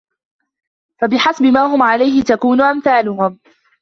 فَبِحَسَبِ مَا هُمْ عَلَيْهِ تَكُونُ أَمْثَالُهُمْ